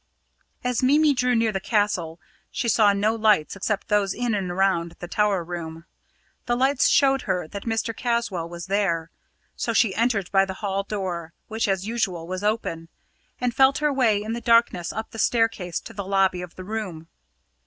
As Mimi drew near the Castle, she saw no lights except those in and around the tower room. The lights showed her that Mr. Caswall was there, so she entered by the hall door, which as usual was open, and felt her way in the darkness up the staircase to the lobby of the room.